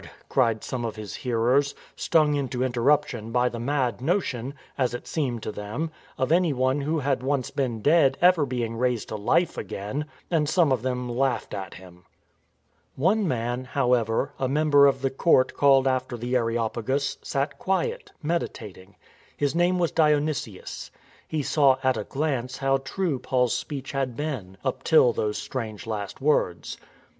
" cried some of his hearers, stung into interruption by the mad notion — as it seemed to them — of anyone who had once been dead ever being raised to life again. And some of them laughed at him. One man, however, a member of the court called after the Areopagus, sat quiet, meditating. His name was Dionysius. He saw at a glance how true Paul's speech had been, up till those strange last words.